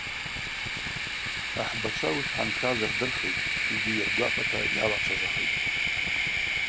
Ахӏбачва ауи шгӏаншаз рдырхитӏ йгьи йыргвапата йалачважвахитӏ.